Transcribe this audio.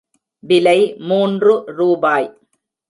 விலை மூன்று ரூபாய்.